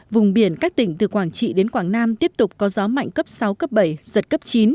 vùng biển các tỉnh từ quảng trị đến quảng nam tiếp tục có gió mạnh cấp sáu cấp bảy giật cấp chín